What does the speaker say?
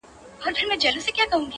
o اوس مي نو ومرگ ته انتظار اوسئ.